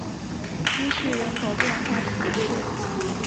伊叙人口变化图示